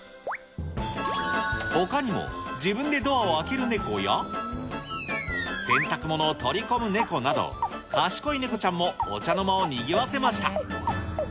ほかにも自分でドアを開けるネコや、洗濯物を取り込むネコなど、賢いネコちゃんもお茶の間をにぎわせました。